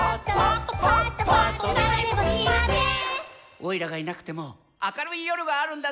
「オイラがいなくても明るい夜があるんだぜ」